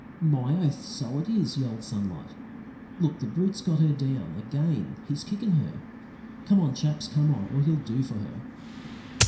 "My oath! so it is!" yelled Sunlight. "Look! the brute's got her down again! He's kickin' her. Come on, chaps; come on, or he'll do for her!"